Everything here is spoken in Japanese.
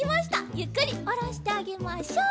ゆっくりおろしてあげましょう。